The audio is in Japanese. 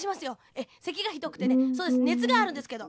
ええせきがひどくてねそうですねつがあるんですけど。